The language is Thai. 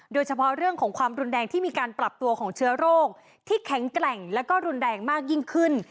โดยเฉพาะเรื่องของความรุนแรงที่มีการปรับตัวของเชื้อโรคที่แข็งแกร่งแล้วก็รุนแรงมากยิ่งขึ้น